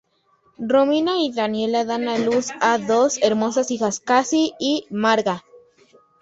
Romina y Daniela dan a luz a dos hermosas hijas: Cassie y Marga.